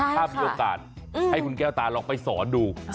ถ้ามีโอกาสให้คุณแก้วตาลองไปสอนดู